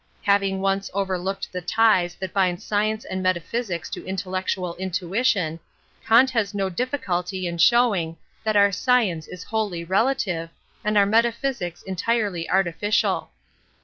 Having once overlooked the . ties that bind science and metaphysics to intellectual intuition, Kant has no diffi culty in showing that our science is wholly i relative, and our metaphysics entirely arti ,| ficial.